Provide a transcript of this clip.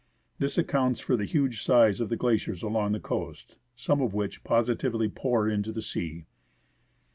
This accounts for the huge size of the glaciers along the coast, some of which positively pour into the sea.